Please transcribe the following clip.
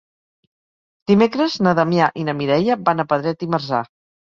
Dimecres na Damià i na Mireia van a Pedret i Marzà.